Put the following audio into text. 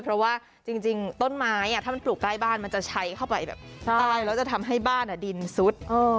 เพราะว่าจริงต้นไม้ถ้ามันปลูกใกล้บ้านมันจะใช้เข้าไปแบบใต้แล้วจะทำให้บ้านดินซุด